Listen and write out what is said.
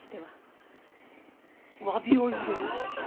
詫びを入れる？